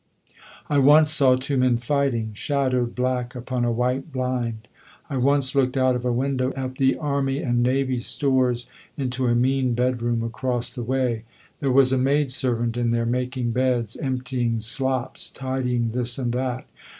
I once saw two men fighting, shadowed black upon a white blind. I once looked out of a window at the Army and Navy Stores into a mean bedroom across the way. There was a maidservant in there, making beds, emptying slops, tidying this and that.